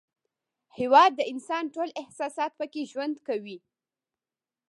هېواد د انسان ټول احساسات پکې ژوند کوي.